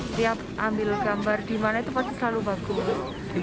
setiap ambil gambar di mana itu pasti selalu bagus